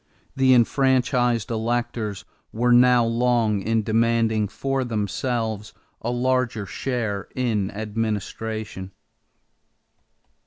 The enfranchised electors were not long in demanding for themselves a larger share in administration.